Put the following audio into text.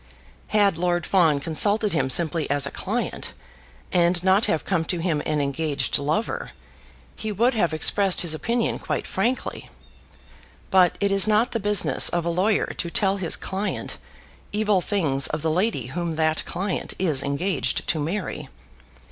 Had Lord Fawn consulted him simply as a client, and not have come to him an engaged lover, he would have expressed his opinion quite frankly; but it is not the business of a lawyer to tell his client evil things of the lady whom that client is engaged to marry.